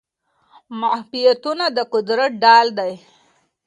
معافیتونه د قدرت ډال دي.